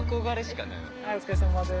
お疲れさまです。